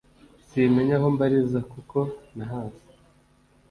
simenya aho mbariza kuko ntahazi